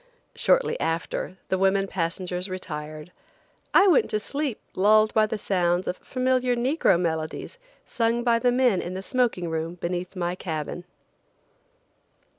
Shortly after, the women passengers retired. I went to sleep lulled by the sounds of familiar negro melodies sung by the men in the smoking room beneath my cabin.